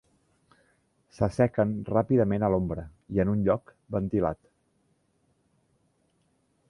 S'assequen ràpidament a l'ombra i en un lloc ventilat.